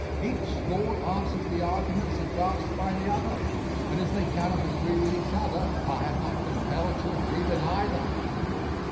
Each school answers the arguments advanced by the other, and as they cannot agree with each other, I am not compelled to agree with either.